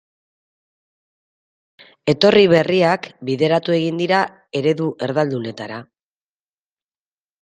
Etorri berriak bideratu egin dira eredu erdaldunetara.